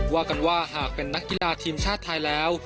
ว่ากันว่าหากเป็นนักกีฬาทีมชาติไทยแล้ว